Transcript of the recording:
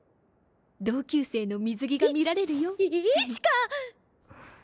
同級生の水着が見られるよい一花！